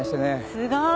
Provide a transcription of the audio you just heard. すごい。